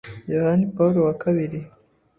Yohani Pawulo wa kabiri